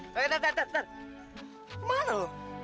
woy ternyata ternyata ternyata